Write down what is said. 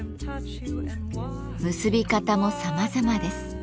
結び方もさまざまです。